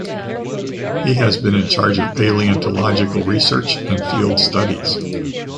He has been in charge of paleontological research and field studies.